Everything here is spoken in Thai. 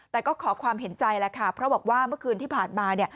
แต่ก็ขอความเห็นใจแล้วค่ะเพราะบอกว่าเมื่อคืนที่ผ่านมา